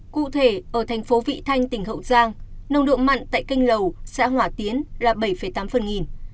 cụ thể ở thành phố vị thanh tỉnh hậu giang nồng độ mặn tại kênh lầu xã hỏa tiến là bảy tám phần nghìn